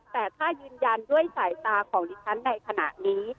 แต่ถ้ายืนยันด้วยสายตาของดิฉันในขณะนี้